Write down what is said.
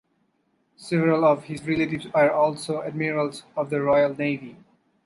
Several of his relatives were also admirals of the Royal Navy.